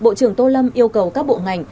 bộ trưởng tô lâm yêu cầu các bộ ngành